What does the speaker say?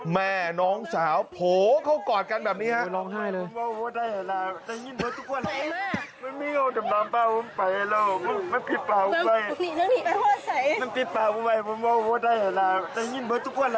แม่น้องสาวโหเขากอดกันแบบนี้ครับ